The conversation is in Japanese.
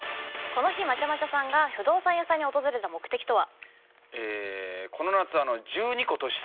この日まちゃまちゃさんが不動産屋さんに訪れた目的とは？